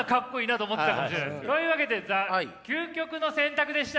というわけでザ・究極の選択でした！